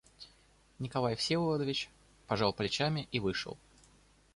Николай Всеволодович пожал плечами и вышел.